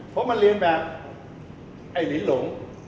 เพราะมันเรียนแบบไอ้หลีหลง